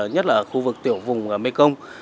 nhất là khu vực tiểu vùng mekong